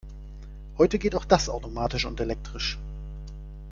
Heute geht auch das automatisch und elektrisch.